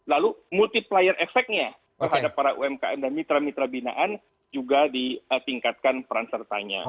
lalu multiplier efeknya terhadap para umkm dan mitra mitra binaan juga ditingkatkan peran sertanya